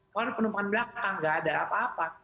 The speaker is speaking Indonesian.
kalau penumpang belakang enggak ada apa apa